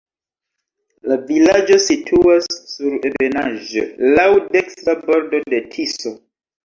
La vilaĝo situas sur ebenaĵo, laŭ dekstra bordo de Tiso.